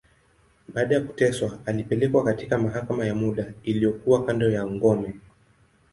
Baada ya kuteswa, alipelekwa katika mahakama ya muda, iliyokuwa kando ya ngome.